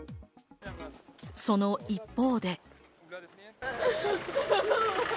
その一方で。